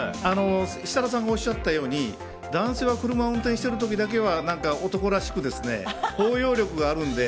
設楽さんがおっしゃったように男性は車を運転している時だけは男らしく、包容力があるので